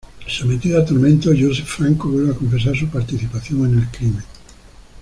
Sometido a tormento, Yosef Franco vuelve a confesar su participación en el crimen".